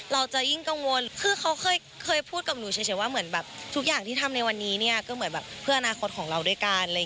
เราจะยิ่งกังวลคือเขาเคยพูดกับหนูเฉยว่าเหมือนแบบทุกอย่างที่ทำในวันนี้เนี่ยก็เหมือนแบบเพื่ออนาคตของเราด้วยกัน